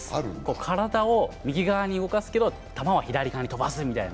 体を右側に動かすけど、球は左側に飛ばすという。